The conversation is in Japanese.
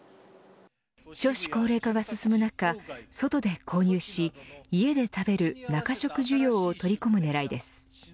少子高齢化が進む中外で購入し、家で食べる中食需要を取り込む狙いです。